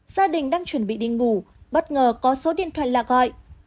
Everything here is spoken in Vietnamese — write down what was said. gia đình đang chuẩn bị đi ngủ bất ngờ có số điện thoại lạ gọi